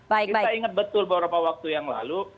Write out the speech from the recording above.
kita ingat betul beberapa waktu yang lalu